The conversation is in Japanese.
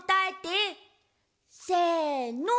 せの！